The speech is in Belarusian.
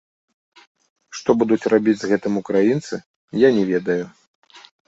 Што будуць рабіць з гэтым украінцы, я не ведаю.